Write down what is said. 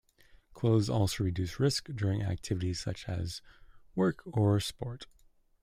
Clothes also reduce risk during activities such as work or sport.